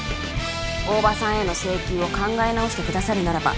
大庭さんへの請求を考え直してくださるならば